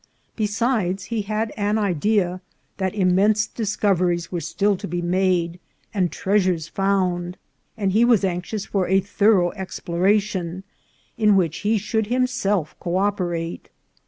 Be sides, he had an idea that immense discoveries were still to be made and treasures found, and he was anxious for a thorough exploration, in which he should himself co operate.